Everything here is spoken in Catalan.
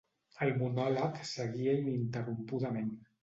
El monòleg seguia ininterrompudament.